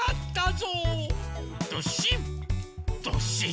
ドシンドシン。